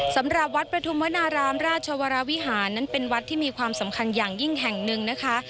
สำหรับวัดประทุมวนารามราชวรวิหารนั้นเป็นวัดที่มีความสำคัญอย่างยิ่งแห่งหนึ่งนะคะ